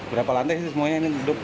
berapa lantai ini semuanya